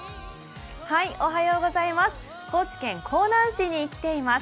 高知県香南市に来ています。